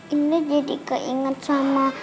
ini jadi keinget sama